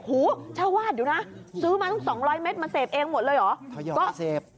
โหชาววาดดูนะซื้อมาตั้ง๒๐๐เมตรมาเสพเองหมดเลยเหรอ